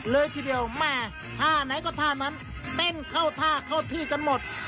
เลยทีเดียวแม่ท่าไหนก็ท่านั้นเต้นเข้าท่าเข้าที่กันหมด